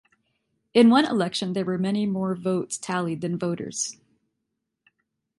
In one election there were many more votes tallied than voters.